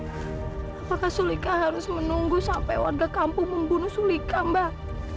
apakah sulika harus menunggu sampai warga kampung membunuh sulika mbak